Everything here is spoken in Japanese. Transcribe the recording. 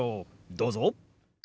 どうぞ。